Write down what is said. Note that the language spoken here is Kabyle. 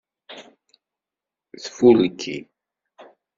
Tfulki.